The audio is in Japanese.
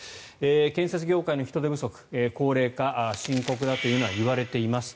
建設業界の人手不足高齢化深刻だといわれています。